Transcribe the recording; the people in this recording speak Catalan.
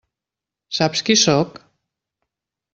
Saps qui sóc?